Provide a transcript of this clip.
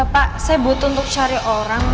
pak saya butuh untuk cari orang